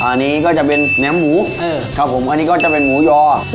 อันนี้ก็จะเป็นเนื้อหมูครับผมอันนี้ก็จะเป็นหมูยอ